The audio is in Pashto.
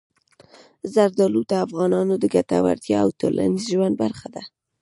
زردالو د افغانانو د ګټورتیا او ټولنیز ژوند برخه ده.